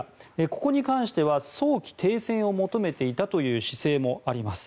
ここに関しては早期停戦を求めていたという姿勢もあります。